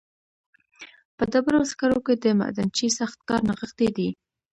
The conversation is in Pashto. په ډبرو سکرو کې د معدنچي سخت کار نغښتی دی